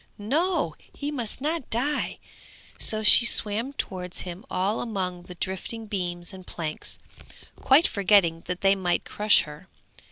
No! he must not die; so she swam towards him all among the drifting beams and planks, quite forgetting that they might crush her.